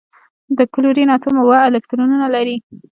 د کلورین اتوم اوه الکترونونه لري.